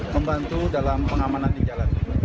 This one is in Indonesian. membantu dalam pengamanan di jalan